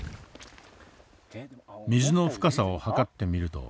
水の深さを測ってみると。